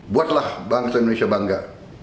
buatlah bangsa indonesia bangga